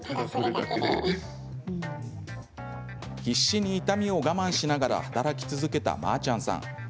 必死に痛みを我慢しながら働き続けた、まーちゃんさん。